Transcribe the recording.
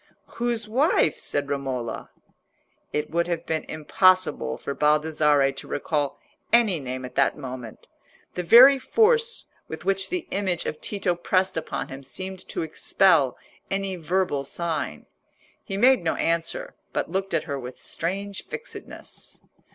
"Whose wife?" said Romola. It would have been impossible for Baldassarre to recall any name at that moment. The very force with which the image of Tito pressed upon him seemed to expel any verbal sign. He made no answer, but looked at her with strange fixedness.